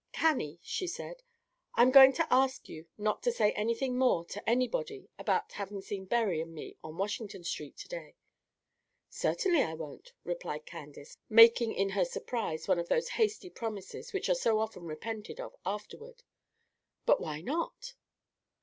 "Cannie," she said, "I'm going to ask you not to say anything more to anybody about having seen Berry and me on Washington Street to day." "Certainly, I won't," replied Candace, making in her surprise one of those hasty promises which are so often repented of afterward; "but why not?"